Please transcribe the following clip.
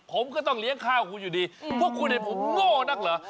ผมก็ต้องเลี้ยงข้าวคุณอยู่ดีพวกคุณผมโง่นักเหรอ